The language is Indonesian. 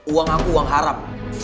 uang aku uang haram